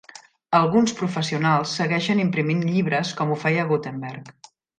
Alguns professionals segueixen imprimint llibres com ho feia Gutenberg.